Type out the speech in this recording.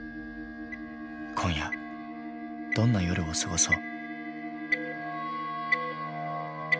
今夜どんな夜を過ごそう。